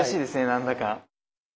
なんだか。